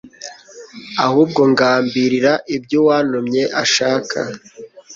ahubwo ngambirira ibyo Uwantumye ashaka.